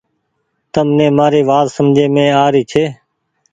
تم ني مآري وآت سمجهي مين آ ري ڇي۔